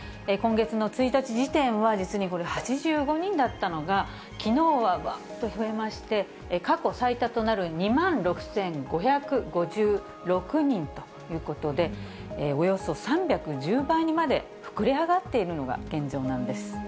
今月の１日時点は、実にこれ、８５人だったのが、きのうはうわっと増えまして、過去最多となる２万６５５６人ということで、およそ３１０倍にまで膨れ上がっているのが現状なんです。